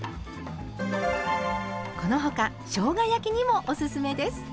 この他しょうが焼きにもおすすめです。